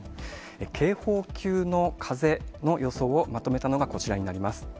警報級の風の予想をまとめたのがこちらになります。